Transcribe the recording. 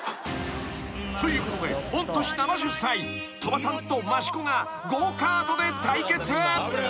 ［ということで御年７０歳鳥羽さんと益子がゴーカートで対決］